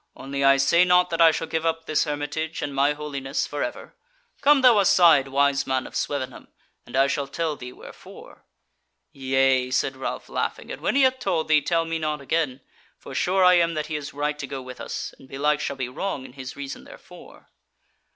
Only I say not that I shall give up this hermitage and my holiness for ever. Come thou aside, wise man of Swevenham, and I shall tell thee wherefore." "Yea," said Ralph, laughing, "and when he hath told thee, tell me not again; for sure I am that he is right to go with us, and belike shall be wrong in his reason therefore."